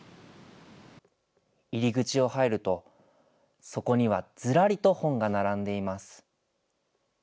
入り口を入ると、そこにはずらりと本が並んでいます。